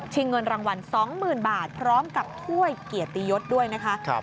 เงินรางวัล๒๐๐๐บาทพร้อมกับถ้วยเกียรติยศด้วยนะคะ